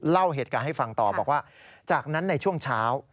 เล่าเหตุการณ์ให้ฟังต่อบอกว่าจากนั้นในช่วงเช้า